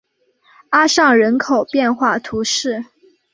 阿尚人口变化图示